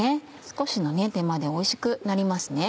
少しの手間でおいしくなりますね。